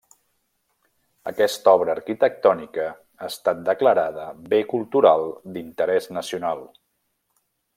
Aquesta obra arquitectònica ha estat declarada Bé Cultural d'Interès Nacional.